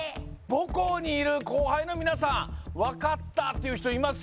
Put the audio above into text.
母校にいる後輩の皆さん分かったって人います？